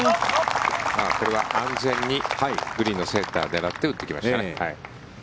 これは安全にグリーンのセンターを狙って打ってきましたね。